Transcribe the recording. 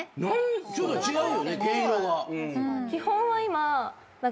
ちょっと違うよね毛色が。